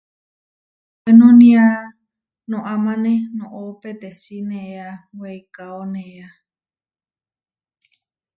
Weno niá noʼamáne noʼó peteči neéa weikaónea.